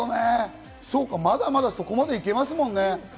まだまだそこまでいけますもんね。